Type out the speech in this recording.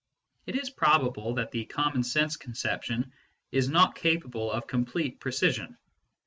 It is probable that the common sense con ception is not capable of complete precision.